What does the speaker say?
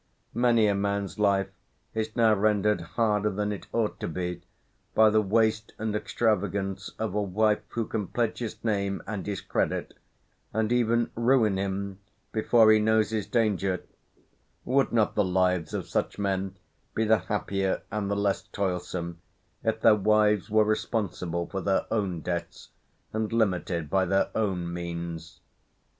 Many a man's life is now rendered harder than it ought to be, by the waste and extravagance of a wife who can pledge his name and his credit, and even ruin him before he knows his danger: would not the lives of such men be the happier and the less toilsome if their wives were responsible for their own debts, and limited by their own means?